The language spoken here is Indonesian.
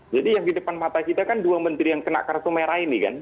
jadi yang di depan mata kita kan dua menteri yang kena kartu merah ini kan